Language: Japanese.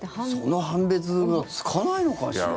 その判別がつかないのかしら。